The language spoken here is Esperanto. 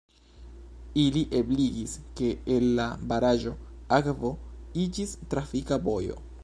Ili ebligis, ke el la baraĵo akvo iĝis trafika vojo.